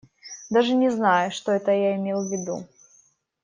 Даже не знаю, что это я имел в виду.